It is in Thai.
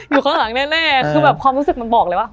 อยู่ข้างหลังแน่คือแบบความรู้สึกมันบอกเลยว่า